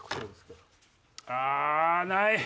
あない！